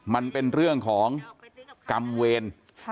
มันเป็นเรื่องของกรรมเวร